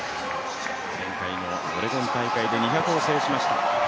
前回のオレゴン大会で２００を制しました。